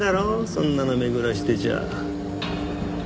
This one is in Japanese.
そんなの巡らせてちゃ。